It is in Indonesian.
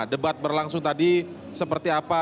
debat berlangsung tadi seperti apa